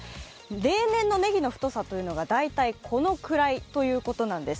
例年のねぎの太さというのが大体このくらいということなんです。